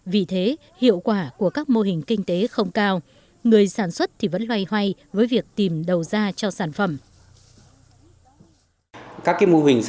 vì thế hiệu quả của các mô hình kinh tế không cao người sản xuất thì vẫn loay hoay với việc tìm đầu ra cho sản phẩm